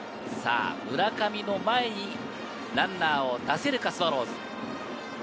村上の前に、ランナーを出せるか、スワローズ。